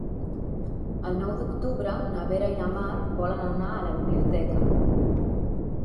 El nou d'octubre na Vera i na Mar volen anar a la biblioteca.